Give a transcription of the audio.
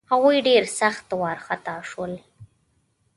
هغوی ډېر سخت وارخطا شول.